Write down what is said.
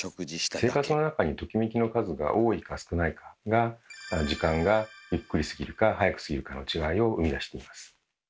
生活の中にトキメキの数が多いか少ないかが時間がゆっくり過ぎるか早く過ぎるかの違いを生み出しています。